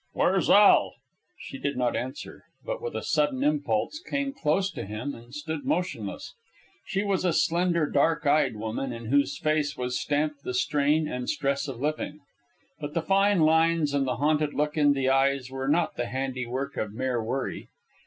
"Where's Al?" She did not answer, but with a sudden impulse came close to him and stood motionless. She was a slender, dark eyed woman, in whose face was stamped the strain and stress of living. But the fine lines and the haunted look in the eyes were not the handiwork of mere worry.